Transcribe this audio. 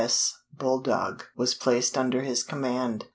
S. Bulldog was placed under his command.